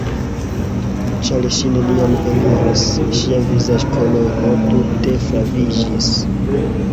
Ĉar ŝi neniam eliris, ŝia vizaĝkoloro tute flaviĝis.